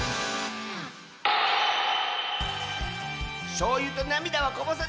しょうゆとなみだはこぼさない！